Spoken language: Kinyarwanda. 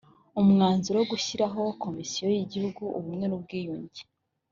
umwanzuro wo gushyiraho komisiyo y igihugu y ubumwe n ubwiyunge